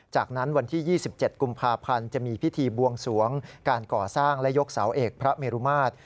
จากนั้นวันที่๒๗กุมภาพันธ์จะมีพิธีบวงสวงการก่อสร้างและยกเสาเอกพระเมรุมาตร